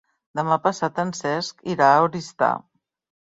Demà passat en Cesc irà a Oristà.